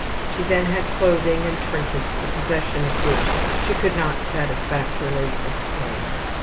She then had clothing and trinkets the possession of which she could not satisfactorily explain.